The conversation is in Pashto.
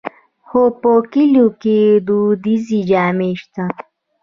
خو په کلیو کې دودیزې جامې شته.